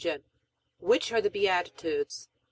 Which are the Beatitudes?